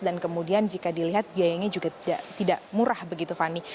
dan kemudian jika dilihat biayanya juga tidak murah begitu fani